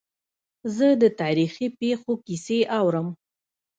زه د تاریخي پېښو کیسې اورم.